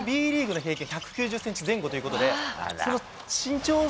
Ｂリーグの平均が１９０ｃｍ前後ということで。